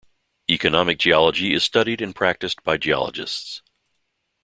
Economic geology is studied and practiced by geologists.